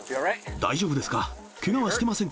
大丈夫ですか？